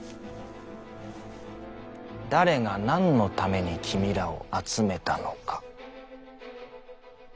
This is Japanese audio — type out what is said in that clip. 誰が何のために君らを集めたのか。